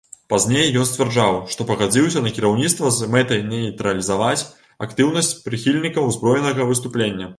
Пазней ён сцвярджаў, што пагадзіўся на кіраўніцтва з мэтай нейтралізаваць актыўнасць прыхільнікаў узброенага выступлення.